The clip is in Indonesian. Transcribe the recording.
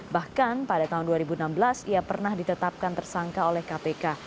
bahkan pada tahun dua ribu enam belas ia pernah ditetapkan tersangka oleh kpk